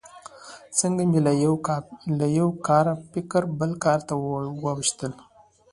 څنګه مې له یوه کاره فکر بل کار ته واوښتل.